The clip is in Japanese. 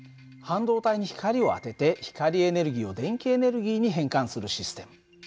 半導体に光を当てて光エネルギーを電気エネルギーに変換するシステム。